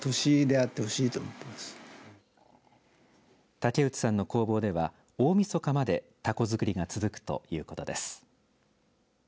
竹内さんの工房では大みそかまでたこ作りが続くということです。